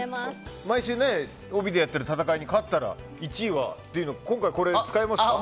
毎週、帯でやってる戦いに勝ったら１位はっていうのは今回、使えますか？